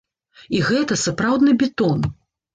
І гэта сапраўдны бетон!